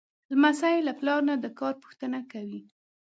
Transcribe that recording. لمسی له پلار نه د کار پوښتنه کوي.